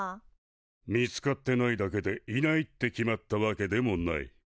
見つかってないだけでいないって決まったわけでもない。